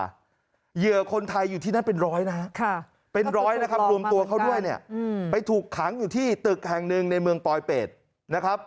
เหยื่อคนไทยอยู่ที่นั่นเป็นร้อยนะฮะเป็นร้อยนะครับรวมตัวเขาด้วยเนี่ยไปถูกขังอยู่ที่ตึกแห่งหนึ่งในเมืองปลอยเป็ดนะครับ